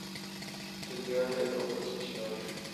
ته ګاډی راوباسه چې لاړ شو